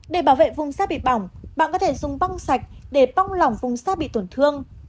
để bảo vệ vùng xa bị bỏng bạn có thể dùng băng sạch để bong lỏng vùng xa bị tổn thương